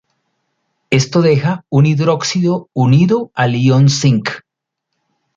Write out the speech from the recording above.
Esto deja un hidróxido unido al ion cinc.